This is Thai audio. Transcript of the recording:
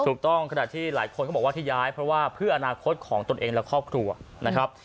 ขณะที่หลายคนก็บอกว่าที่ย้ายเพราะว่าเพื่ออนาคตของตนเองและครอบครัวนะครับ